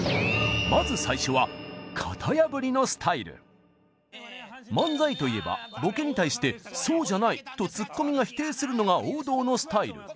まず最初は漫才といえばボケに対して「そうじゃない」とツッコミが否定するのが王道のスタイル。